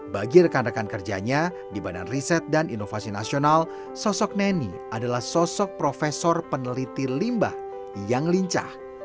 bagi rekan rekan kerjanya di badan riset dan inovasi nasional sosok neni adalah sosok profesor peneliti limbah yang lincah